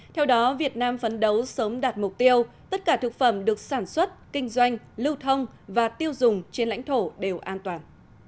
theo đó việt nam phấn đấu sớm đạt mục tiêu tất cả thực phẩm được sản xuất kinh doanh lưu thông và tiêu dùng trên lãnh thổ đều an toàn